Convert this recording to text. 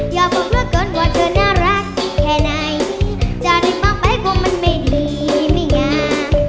อย่าพบรู้เกินว่าเธอน่ารักแค่ไหนจะรีบฟังไปกว่ามันไม่ดีไม่งาม